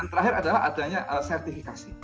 yang terakhir adalah adanya sertifikasi